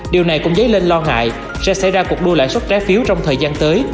điều này cũng dấy lên lo ngại sẽ xảy ra cuộc đua lãi suất trái phiếu trong thời gian tới